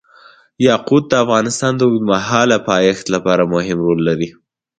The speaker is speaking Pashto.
یاقوت د افغانستان د اوږدمهاله پایښت لپاره مهم رول لري.